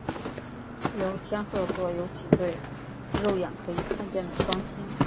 在天鹤座有几对肉眼可以看见的双星。